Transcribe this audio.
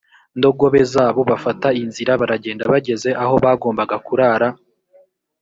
ndogobe zabo bafata inzira baragenda bageze aho bagombaga kurara